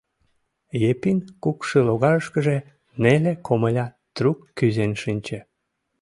— Епин кукшылогарышкыже неле комыля трук кӱзен шинче.